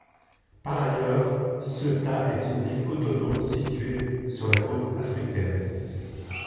Par ailleurs, Ceuta est une ville autonome située sur la côte africaine.